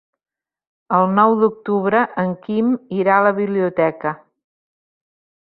El nou d'octubre en Quim irà a la biblioteca.